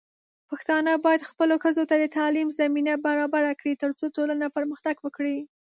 پښتانه بايد خپلو ښځو ته د تعليم زمينه برابره کړي، ترڅو ټولنه پرمختګ وکړي.